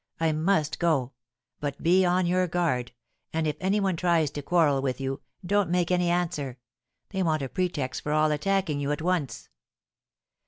I must go. But be on your guard; and if any one tries to quarrel with you, don't make any answer; they want a pretext for all attacking you at once.